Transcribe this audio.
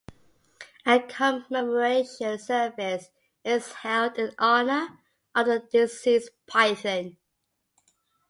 A commemoration service is held in honor of the deceased python.